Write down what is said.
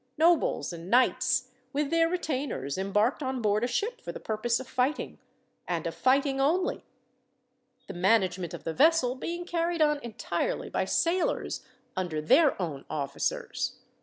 Nobles and knights, with their retainers, embarked on board a ship for the purpose of fighting, and of fighting only, the management of the vessel being carried on entirely by sailors under their own officers.